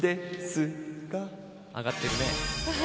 上がってるね。